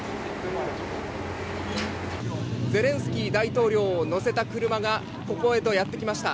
ゼレンスキー大統領を乗せた車が、ここへとやって来ました。